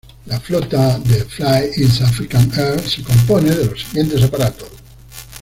La flota de Fly East African Air se compone de los siguientes aparatos